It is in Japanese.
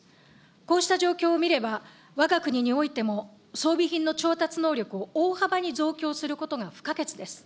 こうした状況を見れば、わが国においても、装備品の調達能力を大幅に増強することが不可欠です。